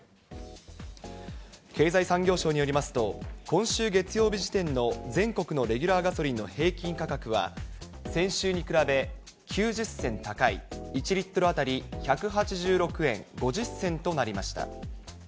経済産業省によりますと、今週月曜日時点の全国のレギュラーガソリンの平均価格は、先週に比べ９０銭高い１リットル当たり１８６円５０銭となりました。